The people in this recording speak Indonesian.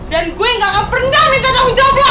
dan gua gak akan pernah minta tanggung jawab lo